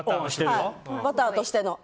バターとしての。